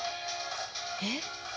えっ？